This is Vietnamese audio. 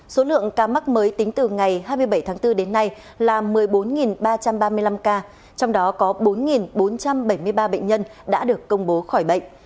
số lượng ca mắc mới tính từ ngày hai mươi bảy tháng bốn đến nay là một mươi bốn ba trăm ba mươi năm ca trong đó có bốn bốn trăm bảy mươi ba bệnh nhân đã được công bố khỏi bệnh